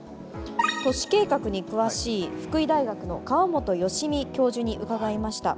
都市計画に詳しい福井大学の川本義海教授に伺いました。